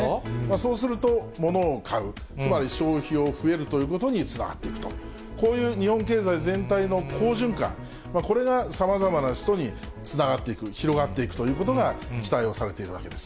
そうすると、物を買う、つまり消費が増えるということにつながっていくと、こういう日本経済全体の好循環、これがさまざまな人につながっていく、広がっていくということが期待をされているわけです。